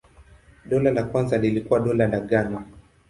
Dola la kwanza lilikuwa Dola la Ghana.